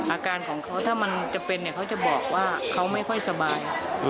อาการของเขาถ้ามันจะเป็นเนี่ยเขาจะบอกว่าเขาไม่ค่อยสบาย